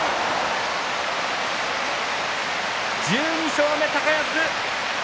１２勝目、高安。